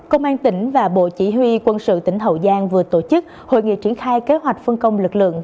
công an tỉnh và bộ chỉ huy quân sự tỉnh hậu giang vừa tổ chức hội nghị triển khai kế hoạch phân công lực lượng